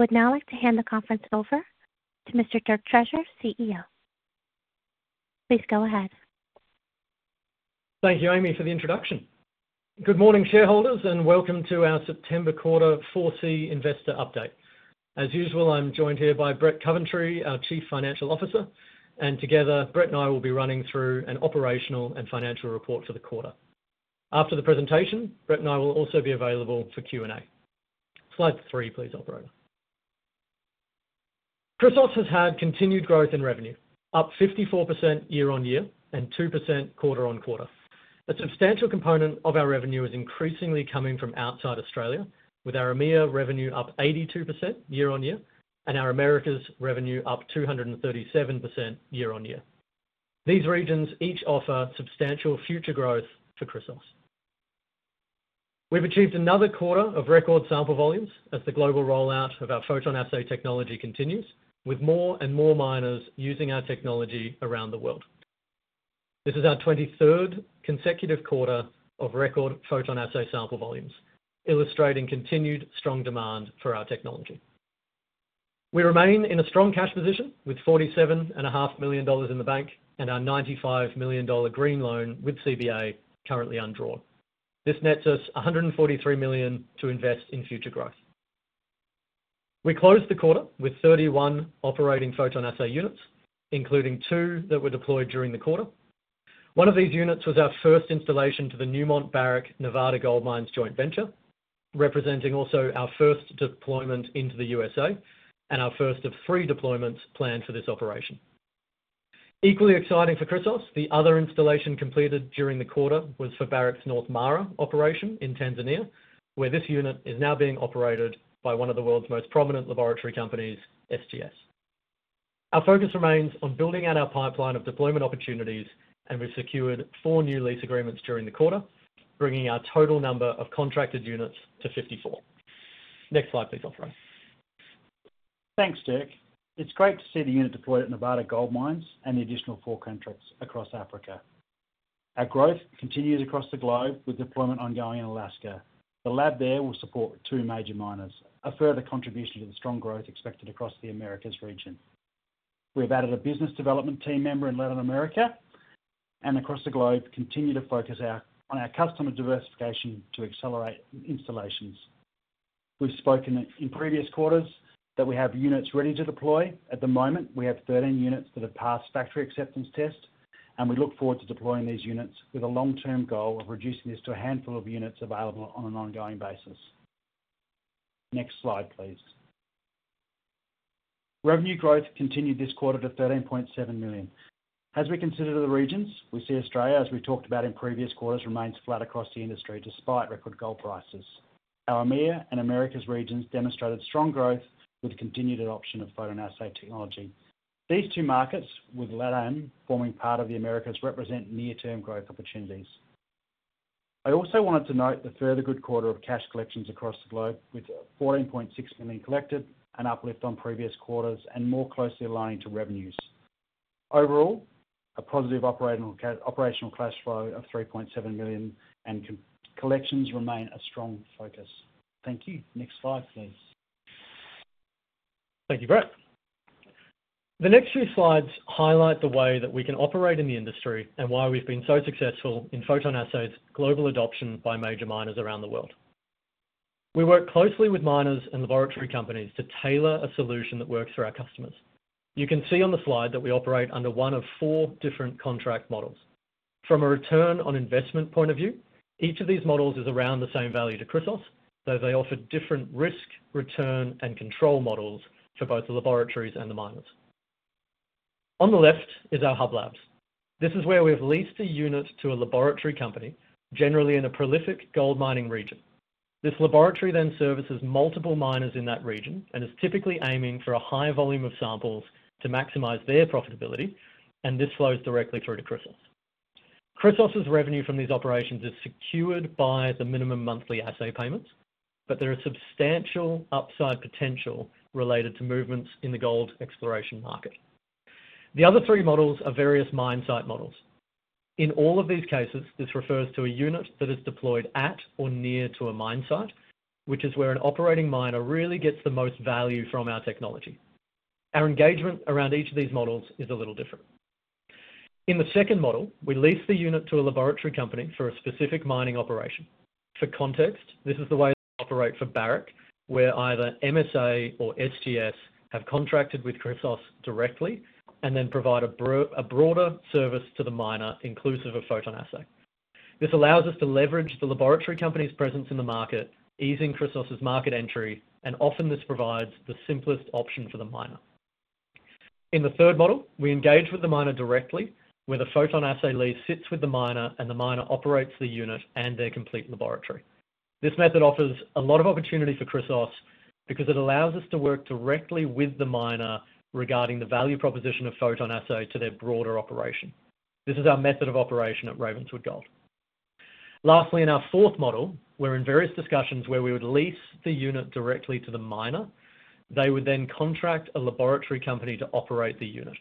I would now like to hand the conference over to Mr. Dirk Treasure, CEO. Please go ahead. Thank you, Amy, for the introduction. Good morning, shareholders, and welcome to our September quarter 4C investor update. As usual, I'm joined here by Brett Coventry, our Chief Financial Officer, and together, Brett and I will be running through an operational and financial report for the quarter. After the presentation, Brett and I will also be available for Q&A. Slide three, please, operator. Chrysos has had continued growth in revenue, up 54% year on year and 2% quarter on quarter. A substantial component of our revenue is increasingly coming from outside Australia, with our EMEA revenue up 82% year on year, and our Americas revenue up 237% year on year. These regions each offer substantial future growth for Chrysos. We've achieved another quarter of record sample volumes as the global rollout of our PhotonAssay technology continues, with more and more miners using our technology around the world. This is our twenty-third consecutive quarter of record PhotonAssay sample volumes, illustrating continued strong demand for our technology. We remain in a strong cash position, with 47.5 million dollars in the bank and our 95 million dollar green loan with CBA currently undrawn. This nets us AUD 143 million to invest in future growth. We closed the quarter with 31 operating PhotonAssay units, including two that were deployed during the quarter. One of these units was our first installation to the Newmont Barrick Nevada Gold Mines Joint Venture, representing also our first deployment into the USA and our first of three deployments planned for this operation. Equally exciting for Chrysos, the other installation completed during the quarter was for Barrick's North Mara operation in Tanzania, where this unit is now being operated by one of the world's most prominent laboratory companies, SGS. Our focus remains on building out our pipeline of deployment opportunities, and we've secured four new lease agreements during the quarter, bringing our total number of contracted units to 54. Next slide, please, operator. Thanks, Dirk. It's great to see the unit deployed at Nevada Gold Mines and the additional four contracts across Africa. Our growth continues across the globe, with deployment ongoing in Alaska. The lab there will support two major miners, a further contribution to the strong growth expected across the Americas region. We have added a business development team member in Latin America, and across the globe, continue to focus on our customer diversification to accelerate installations. We've spoken in previous quarters that we have units ready to deploy. At the moment, we have thirteen units that have passed factory acceptance test, and we look forward to deploying these units with a long-term goal of reducing this to a handful of units available on an ongoing basis. Next slide, please. Revenue growth continued this quarter to 13.7 million. As we consider the regions, we see Australia, as we talked about in previous quarters, remains flat across the industry despite record gold prices. Our EMEA and Americas regions demonstrated strong growth with continued adoption of PhotonAssay technology. These two markets, with LATAM forming part of the Americas, represent near-term growth opportunities. I also wanted to note the further good quarter of cash collections across the globe, with 14.6 million collected, an uplift on previous quarters and more closely aligning to revenues. Overall, a positive operational cash flow of 3.7 million and collections remain a strong focus. Thank you. Next slide, please. Thank you, Brett. The next few slides highlight the way that we can operate in the industry and why we've been so successful in PhotonAssay's global adoption by major miners around the world. We work closely with miners and laboratory companies to tailor a solution that works for our customers. You can see on the slide that we operate under one of four different contract models. From a return on investment point of view, each of these models is around the same value to Chrysos, though they offer different risk, return, and control models for both the laboratories and the miners. On the left is our hub labs. This is where we have leased a unit to a laboratory company, generally in a prolific gold mining region. This laboratory then services multiple miners in that region and is typically aiming for a high volume of samples to maximize their profitability, and this flows directly through to Chrysos. Chrysos' revenue from these operations is secured by the minimum monthly assay payments, but there is substantial upside potential related to movements in the gold exploration market. The other three models are various mine site models. In all of these cases, this refers to a unit that is deployed at or near to a mine site, which is where an operating miner really gets the most value from our technology. Our engagement around each of these models is a little different. In the second model, we lease the unit to a laboratory company for a specific mining operation. For context, this is the way we operate for Barrick, where either MSA or SGS have contracted with Chrysos directly and then provide a broader service to the miner, inclusive of PhotonAssay. This allows us to leverage the laboratory company's presence in the market, easing Chrysos's market entry, and often this provides the simplest option for the miner. In the third model, we engage with the miner directly, where the PhotonAssay lease sits with the miner, and the miner operates the unit and their complete laboratory. This method offers a lot of opportunity for Chrysos because it allows us to work directly with the miner regarding the value proposition of PhotonAssay to their broader operation. This is our method of operation at Ravenswood Gold. Lastly, in our fourth model, we're in various discussions where we would lease the unit directly to the miner. They would then contract a laboratory company to operate the unit.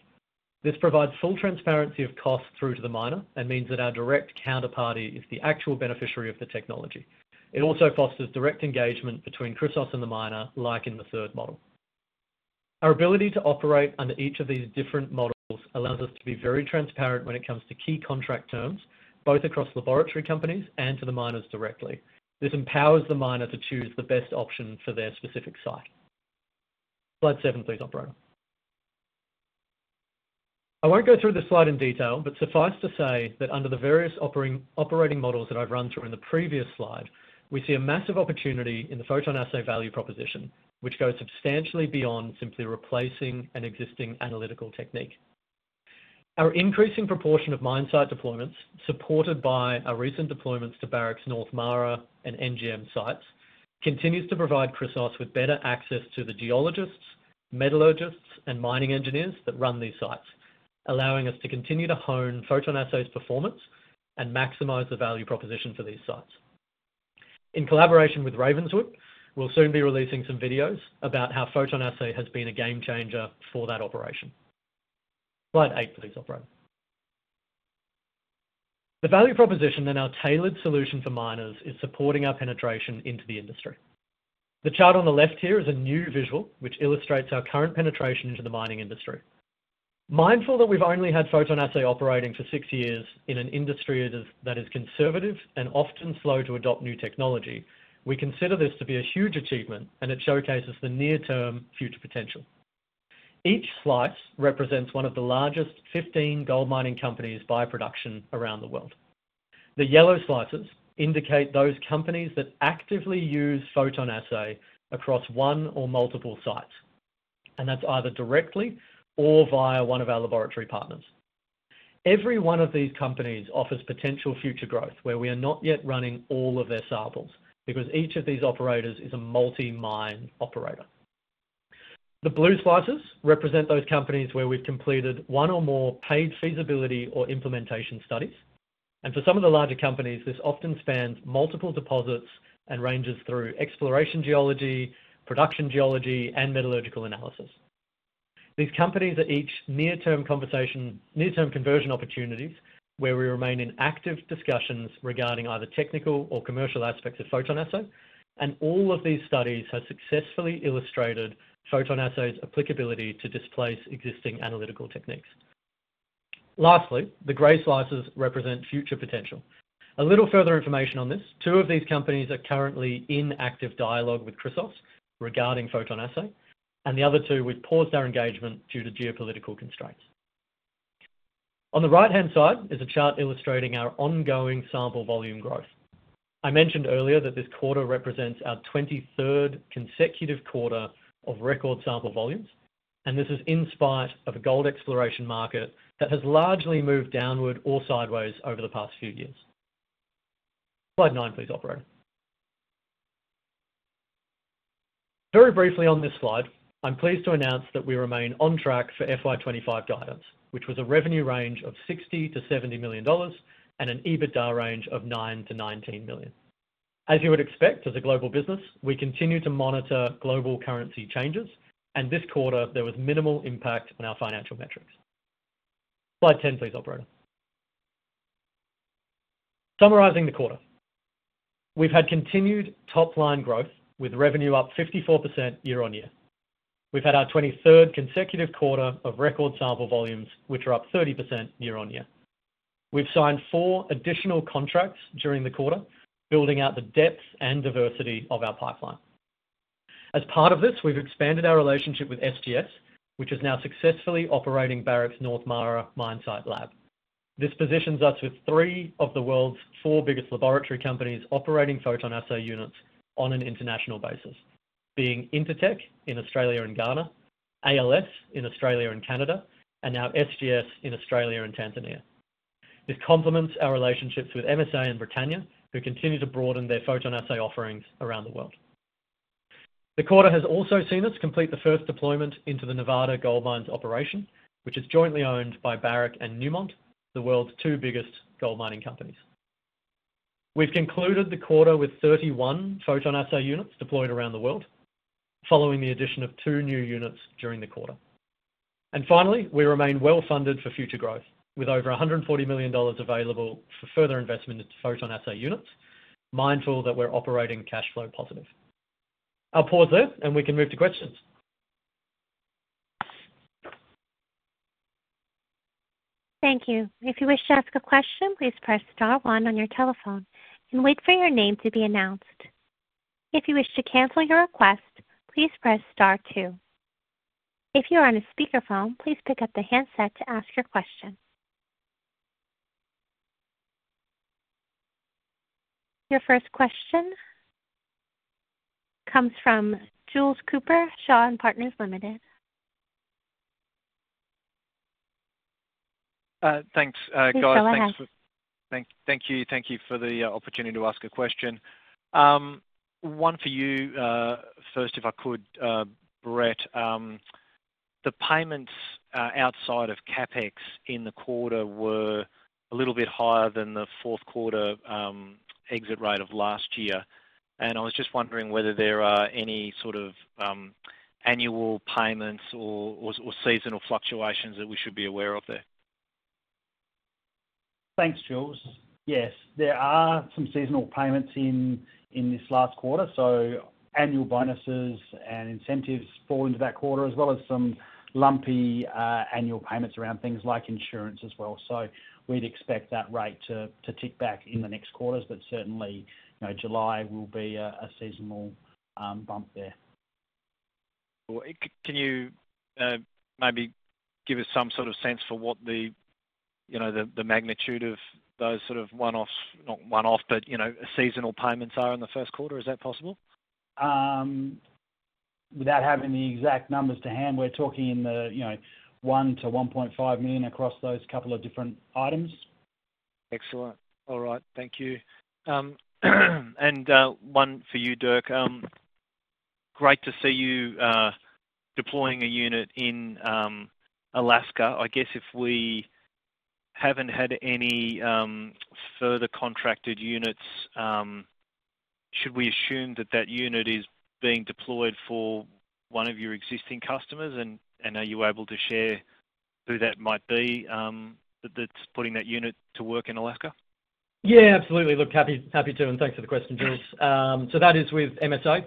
This provides full transparency of cost through to the miner, and means that our direct counterparty is the actual beneficiary of the technology. It also fosters direct engagement between Chrysos and the miner, like in the third model. Our ability to operate under each of these different models allows us to be very transparent when it comes to key contract terms, both across laboratory companies and to the miners directly. This empowers the miner to choose the best option for their specific site. Slide seven, please, operator. I won't go through this slide in detail, but suffice to say that under the various operating models that I've run through in the previous slide, we see a massive opportunity in the PhotonAssay value proposition, which goes substantially beyond simply replacing an existing analytical technique. Our increasing proportion of mine site deployments, supported by our recent deployments to Barrick's North Mara and NGM sites, continues to provide Chrysos with better access to the geologists, metallurgists, and mining engineers that run these sites, allowing us to continue to hone PhotonAssay's performance and maximize the value proposition for these sites. In collaboration with Ravenswood, we'll soon be releasing some videos about how PhotonAssay has been a game changer for that operation. Slide eight, please, operator. The value proposition and our tailored solution for miners is supporting our penetration into the industry. The chart on the left here is a new visual, which illustrates our current penetration into the mining industry. Mindful that we've only had PhotonAssay operating for six years in an industry that is, that is conservative and often slow to adopt new technology, we consider this to be a huge achievement, and it showcases the near-term future potential. Each slice represents one of the largest fifteen gold mining companies by production around the world. The yellow slices indicate those companies that actively use PhotonAssay across one or multiple sites, and that's either directly or via one of our laboratory partners. Every one of these companies offers potential future growth, where we are not yet running all of their samples, because each of these operators is a multi-mine operator. The blue slices represent those companies where we've completed one or more paid feasibility or implementation studies, and for some of the larger companies, this often spans multiple deposits and ranges through exploration geology, production geology, and metallurgical analysis. These companies are each near-term conversion opportunities, where we remain in active discussions regarding either technical or commercial aspects of PhotonAssay, and all of these studies have successfully illustrated PhotonAssay's applicability to displace existing analytical techniques. Lastly, the gray slices represent future potential. A little further information on this: two of these companies are currently in active dialogue with Chrysos regarding PhotonAssay, and the other two, we've paused our engagement due to geopolitical constraints. On the right-hand side is a chart illustrating our ongoing sample volume growth. I mentioned earlier that this quarter represents our twenty-third consecutive quarter of record sample volumes, and this is in spite of a gold exploration market that has largely moved downward or sideways over the past few years. Slide nine, please, operator. Very briefly on this slide, I'm pleased to announce that we remain on track for FY 2025 guidance, which was a revenue range of 60-70 million dollars and an EBITDA range of 9-19 million. As you would expect, as a global business, we continue to monitor global currency changes, and this quarter there was minimal impact on our financial metrics. Slide ten, please, operator. Summarizing the quarter. We've had continued top-line growth, with revenue up 54% year on year. We've had our 23rd consecutive quarter of record sample volumes, which are up 30% year on year. We've signed 4 additional contracts during the quarter, building out the depth and diversity of our pipeline. As part of this, we've expanded our relationship with SGS, which is now successfully operating Barrick's North Mara mine site lab. This positions us with three of the world's four biggest laboratory companies operating PhotonAssay units on an international basis, being Intertek in Australia and Ghana, ALS in Australia and Canada, and now SGS in Australia and Tanzania. This complements our relationships with MSA and Britannia, who continue to broaden their PhotonAssay offerings around the world. The quarter has also seen us complete the first deployment into the Nevada Gold Mines operation, which is jointly owned by Barrick and Newmont, the world's two biggest gold mining companies. We've concluded the quarter with thirty-one PhotonAssay units deployed around the world, following the addition of two new units during the quarter. And finally, we remain well funded for future growth, with over 140 million dollars available for further investment into PhotonAssay units, mindful that we're operating cash flow positive. I'll pause there, and we can move to questions. Thank you. If you wish to ask a question, please press star one on your telephone and wait for your name to be announced. If you wish to cancel your request, please press star two. If you are on a speakerphone, please pick up the handset to ask your question. Your first question comes from Jules Cooper, Shaw and Partners Limited. Thanks, guys. Please go ahead. Thank you. Thank you for the opportunity to ask a question. One for you first, if I could, Brett. The payments outside of CapEx in the quarter were a little bit higher than the fourth quarter exit rate of last year... And I was just wondering whether there are any sort of annual payments or seasonal fluctuations that we should be aware of there? Thanks, Jules. Yes, there are some seasonal payments in this last quarter, so annual bonuses and incentives fall into that quarter, as well as some lumpy annual payments around things like insurance as well. So we'd expect that rate to tick back in the next quarters. But certainly, you know, July will be a seasonal bump there. Can you maybe give us some sort of sense for what the magnitude of those sort of one-offs, not one-off, but seasonal payments are in the first quarter? Is that possible? Without having the exact numbers to hand, we're talking in the, you know, 1-1.5 million across those couple of different items. Excellent. All right, thank you, and one for you, Dirk. Great to see you deploying a unit in Alaska. I guess if we haven't had any further contracted units, should we assume that that unit is being deployed for one of your existing customers, and are you able to share who that might be that's putting that unit to work in Alaska? Yeah, absolutely. Look, happy to, and thanks for the question, Jules. So that is with MSA.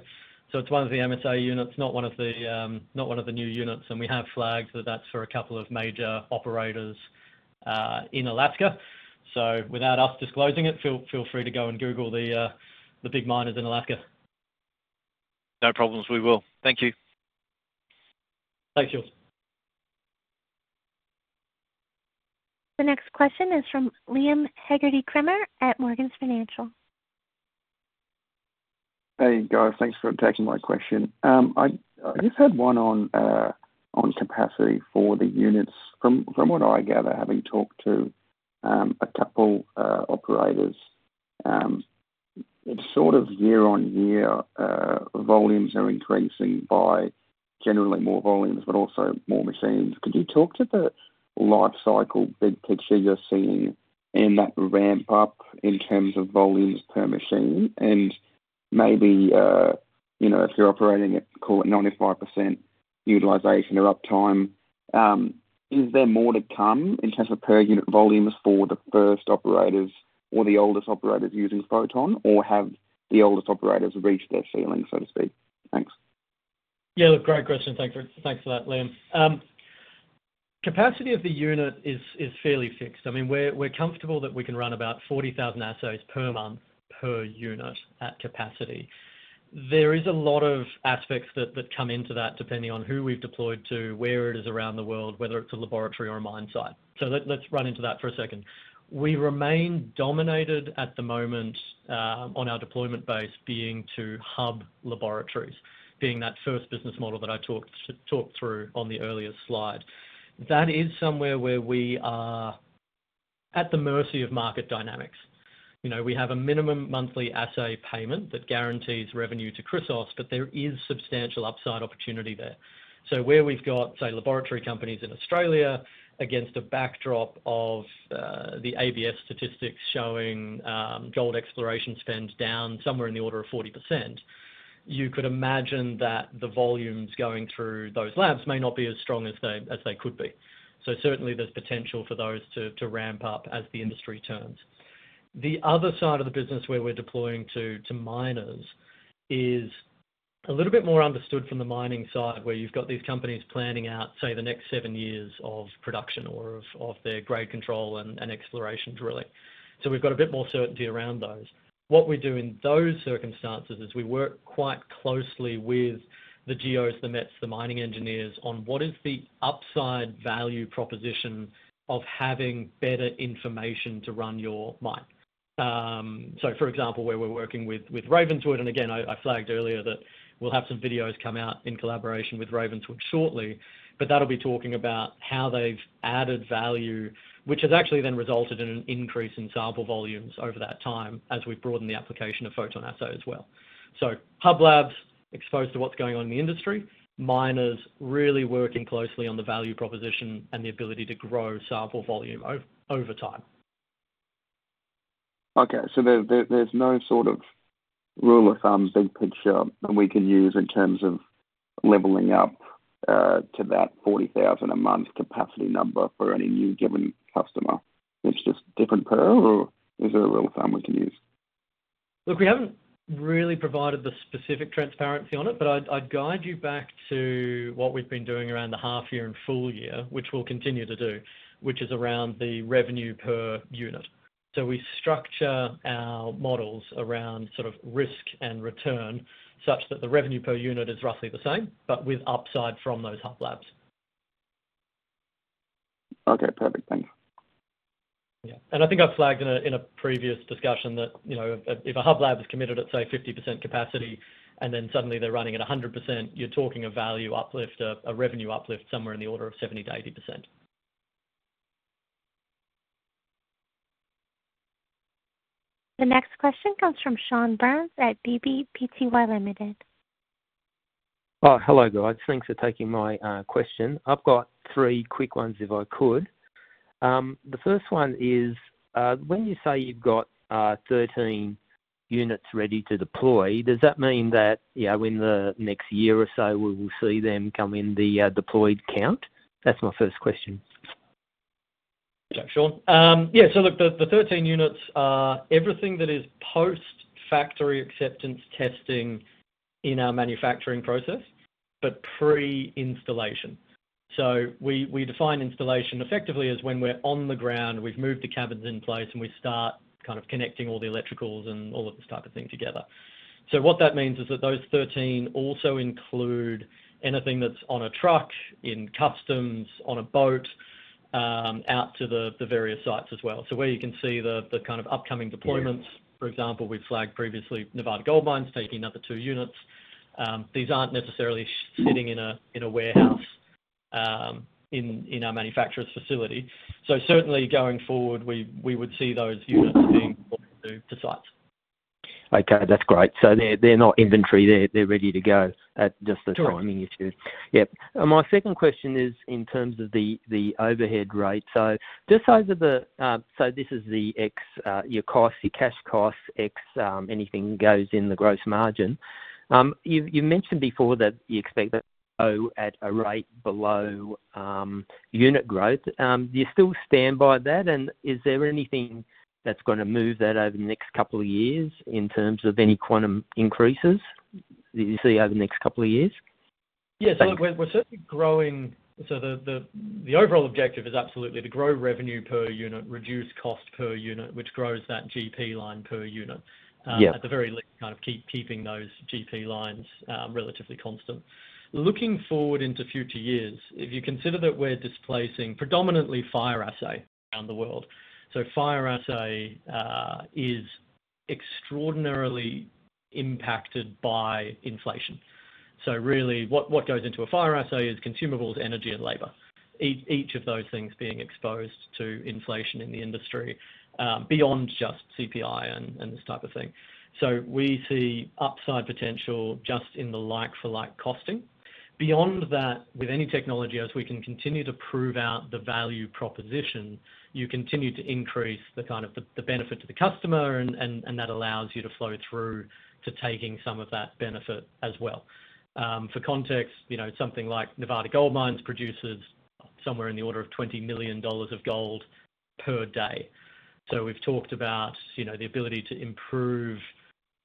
So it's one of the MSA units, not one of the new units, and we have flagged that that's for a couple of major operators in Alaska. So without us disclosing it, feel free to go and google the big miners in Alaska. No problems. We will. Thank you. Thanks, Jules. The next question is from Liam Haggerty at Morgans Financial. Hey, guys. Thanks for taking my question. I just had one on capacity for the units. From what I gather, having talked to a couple operators, it's sort of year-on-year volumes are increasing by generally more volumes, but also more machines. Could you talk to the life cycle big picture you're seeing in that ramp up in terms of volumes per machine? And maybe, you know, if you're operating at, call it 95% utilization or uptime, is there more to come in terms of per unit volumes for the first operators or the oldest operators using Photon? Or have the oldest operators reached their ceiling, so to speak? Thanks. Yeah, look, great question. Thanks for- thanks for that, Liam. Capacity of the unit is fairly fixed. I mean, we're comfortable that we can run about 40,000 assays per month, per unit at capacity. There is a lot of aspects that come into that, depending on who we've deployed to, where it is around the world, whether it's a laboratory or a mine site. Let's run into that for a second. We remain dominated at the moment on our deployment base, being to hub laboratories, being that first business model that I talked through on the earlier slide. That is somewhere where we are at the mercy of market dynamics. You know, we have a minimum monthly assay payment that guarantees revenue to Chrysos, but there is substantial upside opportunity there. Where we've got, say, laboratory companies in Australia against a backdrop of the ABS statistics showing gold exploration spend down somewhere in the order of 40%, you could imagine that the volumes going through those labs may not be as strong as they could be. Certainly there's potential for those to ramp up as the industry turns. The other side of the business, where we're deploying to miners, is a little bit more understood from the mining side, where you've got these companies planning out, say, the next seven years of production or of their grade control and exploration drilling. So we've got a bit more certainty around those. What we do in those circumstances is we work quite closely with the geos, the mets, the mining engineers on what is the upside value proposition of having better information to run your mine, so for example, where we're working with Ravenswood, and again, I flagged earlier that we'll have some videos come out in collaboration with Ravenswood shortly, But that'll be talking about how they've added value, which has actually then resulted in an increase in sample volumes over that time as we've broadened the application of PhotonAssay as well, so hub labs exposed to what's going on in the industry, miners really working closely on the value proposition and the ability to grow sample volume over time. Okay, so there's no sort of rule of thumb, big picture that we can use in terms of leveling up to that forty thousand a month capacity number for any new given customer. It's just different per, or is there a rule of thumb we can use? Look, we haven't really provided the specific transparency on it, but I'd guide you back to what we've been doing around the half year and full year, which we'll continue to do, which is around the revenue per unit. So we structure our models around sort of risk and return, such that the revenue per unit is roughly the same, but with upside from those hub labs. Okay, perfect. Thank you. Yeah. And I think I flagged in a previous discussion that, you know, if a hub lab is committed at, say, 50% capacity, and then suddenly they're running at 100%, you're talking a value uplift, a revenue uplift somewhere in the order of 70%-80%. The next question comes from Sean Burns at BBPTY Limited. Oh, hello, guys. Thanks for taking my question. I've got three quick ones, if I could. The first one is, when you say you've got 13 units ready to deploy, does that mean that, yeah, within the next year or so, we will see them come in the deployed count? That's my first question. Thanks, Sean. Yeah, so look, the 13 units are everything that is post factory acceptance testing in our manufacturing process, but pre-installation. So we define installation effectively as when we're on the ground, we've moved the cabins in place, and we start kind of connecting all the electricals and all of this type of thing together. So what that means is that those 13 also include anything that's on a truck, in customs, on a boat, out to the various sites as well. So where you can see the kind of upcoming deployments, for example, we've flagged previously Nevada Gold Mines taking another two units. These aren't necessarily sitting in a warehouse in our manufacturer's facility. So certainly going forward, we would see those units being brought to sites. Okay, that's great. So they're not inventory. They're ready to go, just the timing issue. Sure. Yep. My second question is in terms of the overhead rate. So this is the ex your cost, your cash cost, ex anything goes in the gross margin. You've mentioned before that you expect that to go at a rate below unit growth. Do you still stand by that, and is there anything that's gonna move that over the next couple of years in terms of any quantum increases that you see over the next couple of years? Yeah, so look, we're certainly growing. So the overall objective is absolutely to grow revenue per unit, reduce cost per unit, which grows that GP line per unit. Yeah. At the very least, kind of keep, keeping those GP lines relatively constant. Looking forward into future years, if you consider that we're displacing predominantly fire assay around the world. So fire assay is extraordinarily impacted by inflation. So really, what goes into a fire assay is consumables, energy, and labor. Each of those things being exposed to inflation in the industry beyond just CPI and this type of thing. So we see upside potential just in the like for like costing. Beyond that, with any technology, as we can continue to prove out the value proposition, you continue to increase the kind of the benefit to the customer, and that allows you to flow through to taking some of that benefit as well. For context, you know, something like Nevada Gold Mines produces somewhere in the order of $20 million of gold per day. So we've talked about, you know, the ability to improve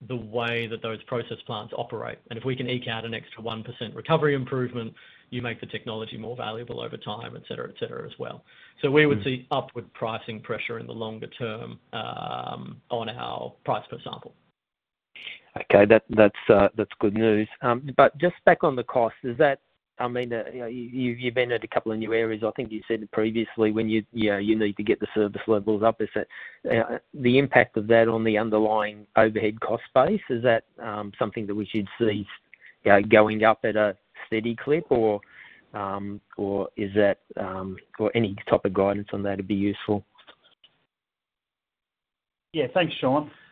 the way that those process plants operate, and if we can eke out an extra 1% recovery improvement, you make the technology more valuable over time, et cetera, et cetera, as well. Mm-hmm. So we would see upward pricing pressure in the longer term, on our price per sample. Okay, that's good news, but just back on the cost, is that I mean, you've been at a couple of new areas. I think you said previously, when you, you know, you need to get the service levels up, is that the impact of that on the underlying overhead cost base, is that something that we should see going up at a steady clip? Or, or is that, or any type of guidance on that would be useful. Yeah, thanks, Sean. I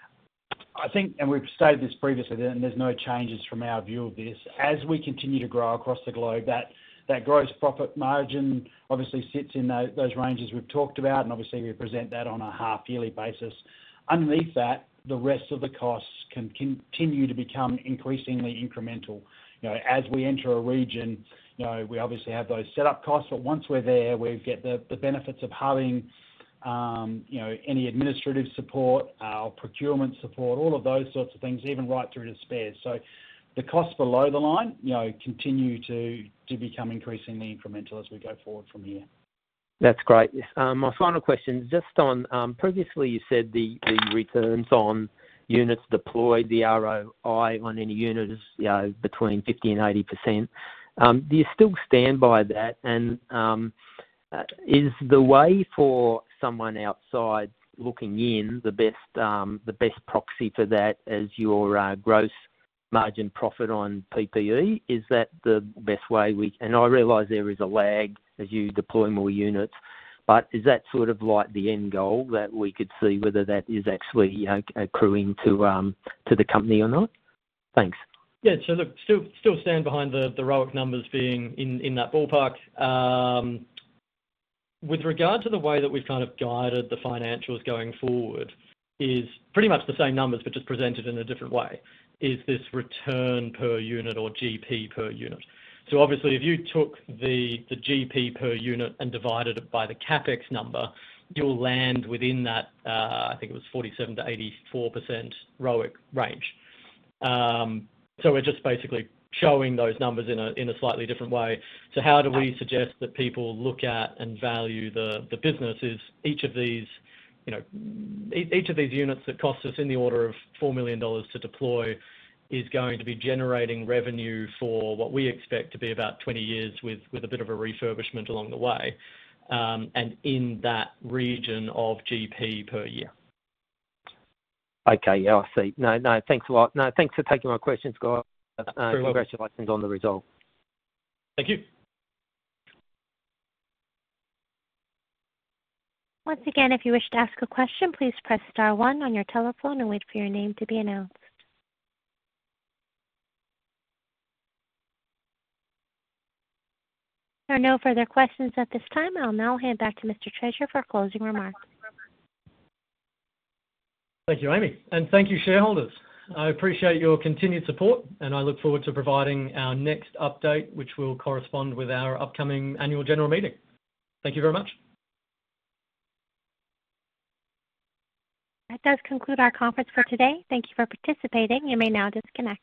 think, and we've stated this previously, and there's no changes from our view of this: As we continue to grow across the globe, that gross profit margin obviously sits in those ranges we've talked about, and obviously we present that on a half-yearly basis. Underneath that, the rest of the costs can continue to become increasingly incremental. You know, as we enter a region, you know, we obviously have those setup costs, but once we're there, we get the benefits of halving, you know, any administrative support, our procurement support, all of those sorts of things, even right through to spares. So the costs below the line, you know, continue to become increasingly incremental as we go forward from here. That's great. My final question, just on, previously, you said the, the returns on units deployed, the ROI on any unit is, you know, between 50% and 80%. Do you still stand by that? And, is the way for someone outside looking in, the best, the best proxy for that is your, gross margin profit on PPE? Is that the best way we-- And I realize there is a lag as you deploy more units, but is that sort of like the end goal, that we could see whether that is actually, you know, accruing to, to the company or not? Thanks. Yeah, so look, still stand behind the ROIC numbers being in that ballpark. With regard to the way that we've kind of guided the financials going forward is pretty much the same numbers, but just presented in a different way, is this return per unit or GP per unit. So obviously, if you took the GP per unit and divided it by the CapEx number, you'll land within that, I think it was 47%-84% ROIC range. So we're just basically showing those numbers in a slightly different way. How do we suggest that people look at and value the business? The business is each of these, you know, each of these units that cost us in the order of 4 million dollars to deploy, is going to be generating revenue for what we expect to be about 20 years, with a bit of a refurbishment along the way, and in that region of GP per year. Okay. Yeah, I see. No, no, thanks a lot. No, thanks for taking my questions, guys. You're welcome. Congratulations on the result. Thank you. Once again, if you wish to ask a question, please press star one on your telephone and wait for your name to be announced. There are no further questions at this time. I'll now hand back to Mr. Treasure for closing remarks. Thank you, Amy, and thank you, shareholders. I appreciate your continued support, and I look forward to providing our next update, which will correspond with our upcoming annual general meeting. Thank you very much. That does conclude our conference for today. Thank you for participating. You may now disconnect.